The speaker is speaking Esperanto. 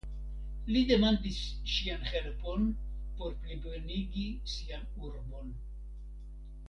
Li demandis ŝian helpon por plibonigi sian urbon.